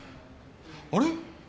あれ？